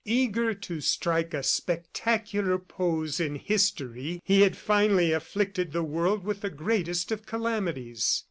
Eager to strike a spectacular pose in history, he had finally afflicted the world with the greatest of calamities.